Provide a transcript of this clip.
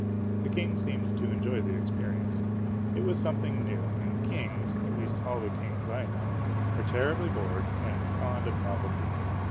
The King seemed to enjoy the experience. It was something new, and kings (at least all the kings I know) are terribly bored, and fond of nov elty.